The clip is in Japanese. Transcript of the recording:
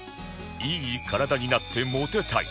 いい体になってモテたい！